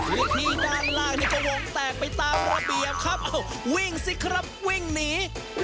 พิธีด้านล่างเนี่ยก็หวงแตกไปตามระเบียบครับวิ่งสิครับวิ่งหนี